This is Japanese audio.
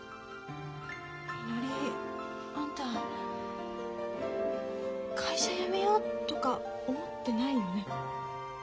みのりあんた会社辞めようとか思ってないよね？